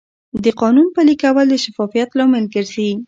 د قانون پلي کول د شفافیت لامل ګرځي.